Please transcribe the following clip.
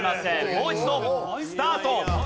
もう一度スタート。